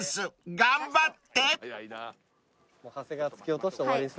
頑張って！